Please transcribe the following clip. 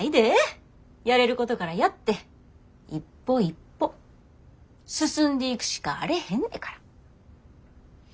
やれることからやって一歩一歩進んでいくしかあれへんねから。